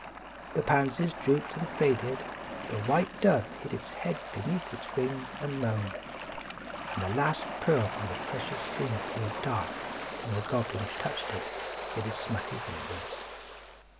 The pansies drooped and faded, the white dove hid its head beneath its wing and moaned; and the last pearl on the precious string grew dark when the goblin touched it with his smutty fingers.